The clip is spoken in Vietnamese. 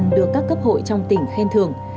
nhiều lần được các cấp hội trong tỉnh khen thường